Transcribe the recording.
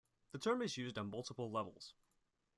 The term is used on multiple levels.